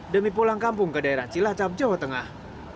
demi pulang kampung ke daerah cilacap jawa tengah